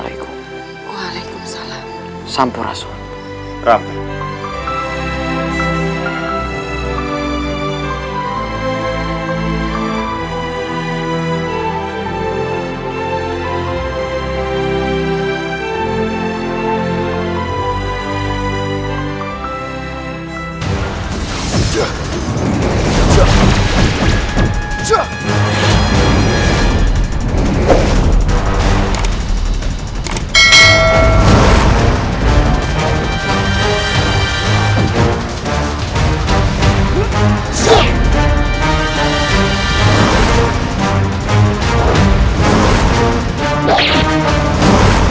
ibu nda menunggumu di istana pajajaran